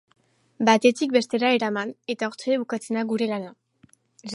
Batetik bestera eraman, eta hortxe bukatzen da gure lana.